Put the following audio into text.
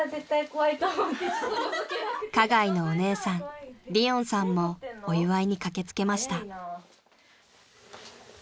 ［花街のお姉さん理音さんもお祝いに駆け付けました］